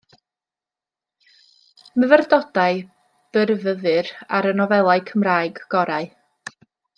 Myfyrdodau byrfyfyr ar y nofelau Cymraeg gorau.